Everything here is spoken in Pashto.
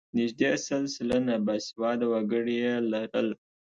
نږدې شل سلنه باسواده وګړي یې لرل.